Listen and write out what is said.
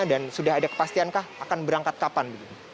dan sudah ada kepastian kah akan berangkat kapan